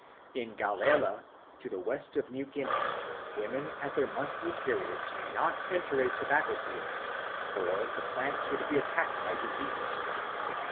In Galela, to the west of New Guinea, women at their monthly periods may not enter a tobacco field, or the plants would be attacked by disease.